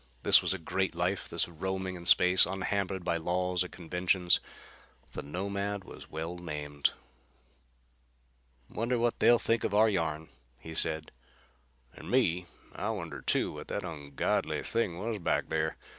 This was a great life, this roaming in space, unhampered by laws or conventions. The Nomad was well named. "Wonder what they'll think of our yarn," he said. "And me. I wonder, too, what that ungodly thing was back there.